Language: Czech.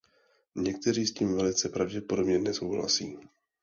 Někteří s tím velice pravděpodobně nesouhlasí.